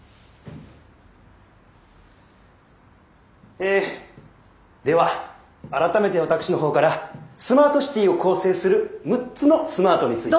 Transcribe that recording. えでは改めて私の方からスマートシティを構成する６つのスマートについて。